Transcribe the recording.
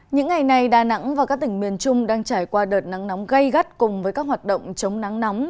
những ngày này đà nẵng và các tỉnh miền trung đang trải qua đợt nắng nóng gây gắt cùng với các hoạt động chống nắng nóng